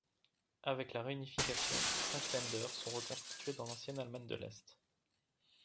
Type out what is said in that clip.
Avec la réunification, cinq Länder sont reconstitués dans l'ancienne Allemagne de l'Est.